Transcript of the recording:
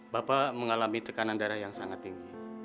bapak mengalami tekanan darah yang sangat tinggi